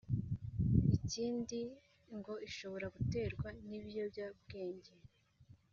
Ikindi ngo ishobora guterwa n’ibiyobyabwenge